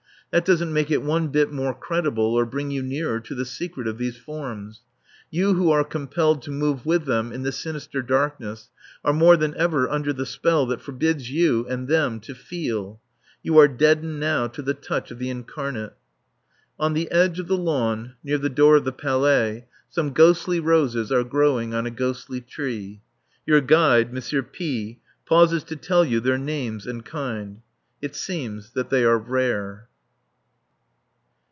That doesn't make it one bit more credible or bring you nearer to the secret of these forms. You who are compelled to move with them in the sinister darkness are more than ever under the spell that forbids you and them to feel. You are deadened now to the touch of the incarnate. On the edge of the lawn, near the door of the Palais, some ghostly roses are growing on a ghostly tree. Your guide, M. P , pauses to tell you their names and kind. It seems that they are rare.